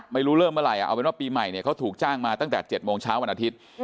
ไม่รู้เริ่มเมื่อไหร่เอาเป็นว่าปีใหม่เนี่ยเขาถูกจ้างมาตั้งแต่๗โมงเช้าวันอาทิตย์